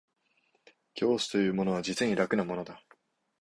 教師というものは実に楽なものだ